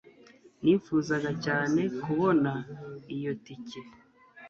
nifuzaga cyane kubona iyo tike